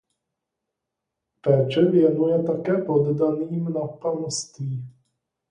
Péči věnuje také poddaným na panství.